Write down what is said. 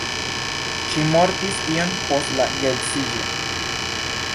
Ŝi mortis iom post la geedziĝo.